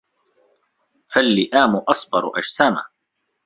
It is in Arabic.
فَاللِّئَامُ أَصْبَرُ أَجْسَامًا